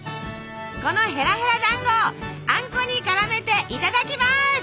このへらへらだんごあんこにからめていただきます！